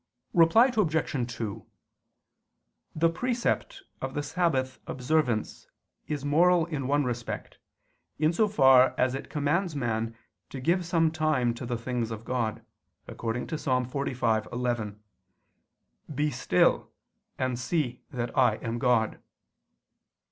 Reply Obj. 2: The precept of the Sabbath observance is moral in one respect, in so far as it commands man to give some time to the things of God, according to Ps. 45:11: "Be still and see that I am God."